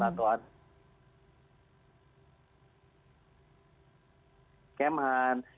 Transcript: atau ada yang bilang kemhan